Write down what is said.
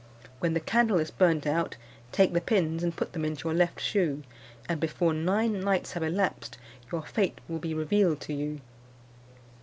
When the candle is burnt out, take the pins and put them into your left shoe; and before nine nights have elapsed your fate will be revealed to you."